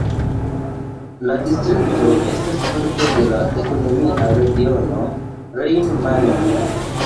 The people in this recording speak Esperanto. La distrikto estas parto de la ekonomia regiono Rhein-Main.